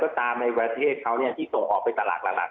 ก็ตามในประเทศเขานี่ที่ส่งไปตลาดหละ